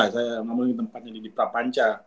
saya ngamain tempatnya di prapanca